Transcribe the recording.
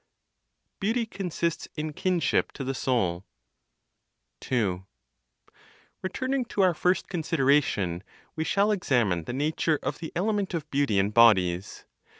BEAUTY CONSISTS IN KINSHIP TO THE SOUL. 2. Returning to our first consideration, we shall examine the nature of the element of beauty in bodies.